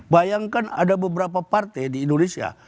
bayangkan ada beberapa partai di indonesia